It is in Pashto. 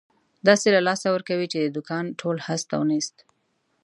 داسې له لاسه ورکوې، چې د دوکان ټول هست او نیست.